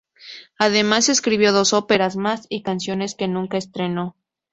Además escribió dos óperas más y canciones que nunca estrenó.